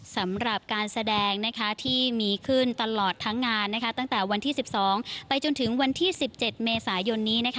สำหรับการแสดงที่มีขึ้นตลอดทั้งงานตั้งแต่วันที่๑๒ไปจนถึงวันที่๑๗เมษายนนี้